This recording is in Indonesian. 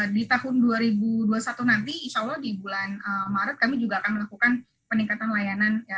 di tahun dua ribu dua puluh satu nanti insya allah di bulan maret kami juga akan melakukan peningkatan layanan